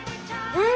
うん！